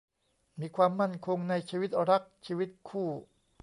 มีความมั่นคงในชีวิตรักชีวิตคู่